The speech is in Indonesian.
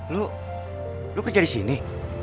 lo lo kejar disini